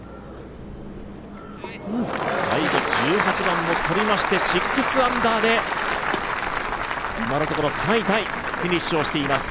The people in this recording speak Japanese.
最後１８番をとりまして６アンダーで今のところ３位タイ、フィニッシュをしています。